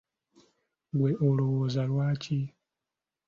Ggwe olowooza lwaki?